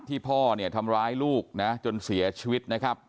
ที่พ่อทำร้ายลูกจนเสียชีวิตนะครับ